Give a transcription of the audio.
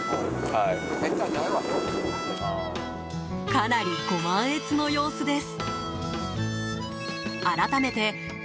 かなりご満悦の様子です。